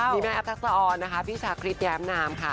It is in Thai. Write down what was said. มีแม่แอฟทักษะออนนะคะพี่ชาคริสแย้มนามค่ะ